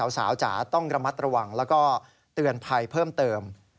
สาวจ๋าต้องระมัดระวังแล้วก็เตือนภัยเพิ่มเติม